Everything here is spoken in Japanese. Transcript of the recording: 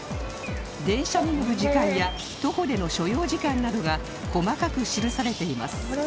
電車に乗る時間や徒歩での所要時間などが細かく記されています